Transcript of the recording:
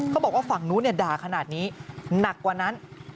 เขาบอกว่าฝั่งนู้นด่าขนาดนี้หนักกว่านั้น